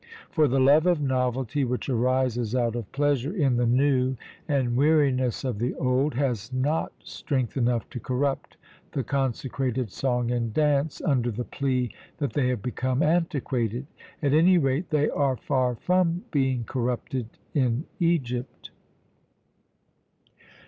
For the love of novelty which arises out of pleasure in the new and weariness of the old, has not strength enough to corrupt the consecrated song and dance, under the plea that they have become antiquated. At any rate, they are far from being corrupted in Egypt.